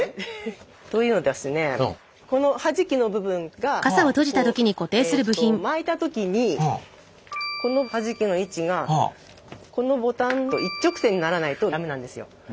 このはじきの部分がこうえっと巻いた時にこのはじきの位置がこのボタンと一直線にならないと駄目なんですよ。